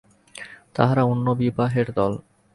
তাহারা অন্য বিবাহের দল।